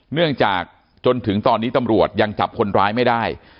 เนื่องจากจนถึงตอนนี้ตำรวจยังจับคนร้ายไม่ได้